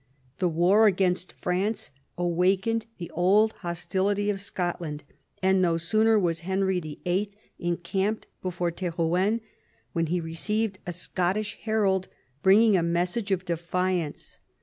The war against France awakened the old hostility of Scotland, and no sooner was Henry VIIL encamped before Terouenne than he received a Scottish herald bringing a message of defiance.